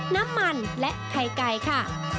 น้ำมันและไข่ไก่ค่ะ